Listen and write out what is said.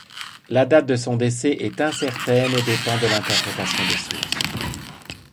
La date de son décès est incertaine et dépend de l'interprétation des sources.